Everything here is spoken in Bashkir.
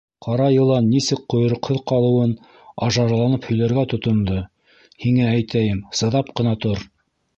Ҡара йылан нисек ҡойроҡһоҙ ҡалыуын ажарланып һөйләргә тотондо, һиңә әйтәйем, сыҙап ҡына тор.